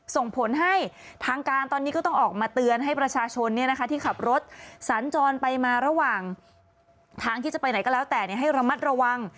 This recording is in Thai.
ส่งผลให้ทางการตอนนี้ก็ต้องออกมาเตือนให้ประชาชนที่ขับรถสัญจรไปมาระหว่างทางที่จะไปไหนก็แล้วแต่ให้ระมัดระวัง